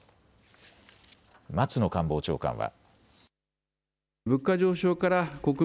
松野官房長官は。